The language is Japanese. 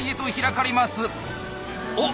おっ！